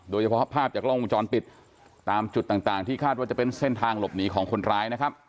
โดยเฉพาะภาพจากกล้องวงจรปิดตามจุดต่างที่คาดว่าจะเป็นเส้นทางหลบหนีของคนร้ายนะครับ